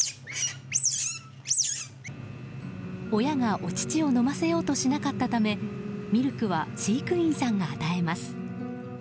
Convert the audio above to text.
親がお乳を飲ませようとしなかったためミルクは飼育員さんが与えます。